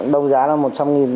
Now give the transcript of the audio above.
đông giá là một trăm linh nghìn